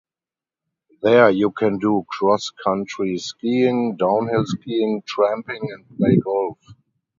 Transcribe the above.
There you can do cross-country-skiing, downhill skiing, tramping and play golf.